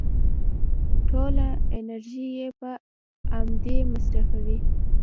ټوله انرژي يې په امدې مصرفېږي.